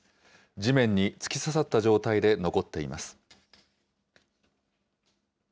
地面に突き刺さった状態で残っています。